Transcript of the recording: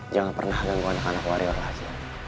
jangan pernah ganggu anak anak warrior lagi